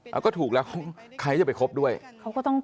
พี่สาวบอกแบบนั้นหลังจากนั้นเลยเตือนน้องตลอดว่าอย่าเข้าในพงษ์นะ